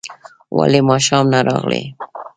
ولي ماښام نه راغلې؟